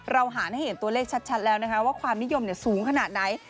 หารให้เห็นตัวเลขชัดแล้วนะคะว่าความนิยมสูงขนาดไหน